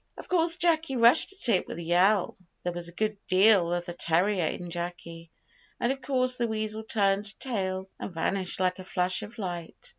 Of course Jacky rushed at it with a yell there was a good deal of the terrier in Jacky and of course the weasel turned tail, and vanished like a flash of light.